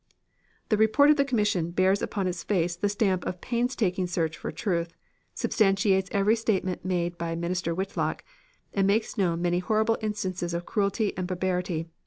The report of the commission bears upon its face the stamp of painstaking search for truth, substantiates every statement made by Minister Whitlock and makes known many horrible instances of cruelty and barbarity.